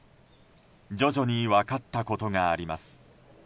徐々に分かったことがあります。